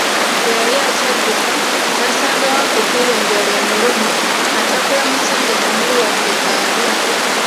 Bwe yali akyadduka, n'asanga Wankoko ng'enjala emuluma, atakula mu ssanja temuli wadde kaalya.